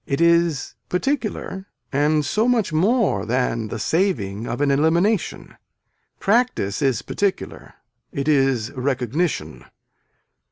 It is particular and so much more than the saving of an elimination. Practice is particular. It is recognition.